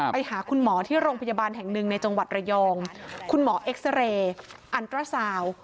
ไปหาคุณหมอที่โรงพยาบาลแห่งหนึ่งในจังหวัดระยองคุณหมอเอ็กซาเรย์อันตราซาว